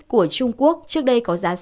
của trung quốc trước đây có giá